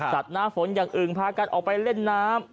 หน้าฝนอย่างอื่นพากันออกไปเล่นน้ำ